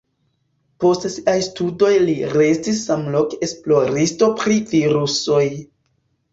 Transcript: Post siaj studoj li restis samloke esploristo pri virusoj.